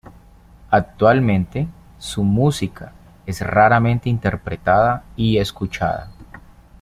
Actualmente, su música es raramente interpretada y escuchada.